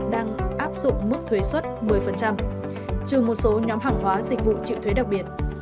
đang áp dụng mức thuế xuất một mươi trừ một số nhóm hàng hóa dịch vụ chịu thuế đặc biệt